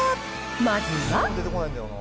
まずは。